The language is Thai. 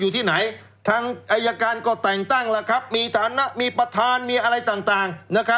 อยู่ที่ไหนทางอายการก็แต่งตั้งแล้วครับมีฐานะมีประธานมีอะไรต่าง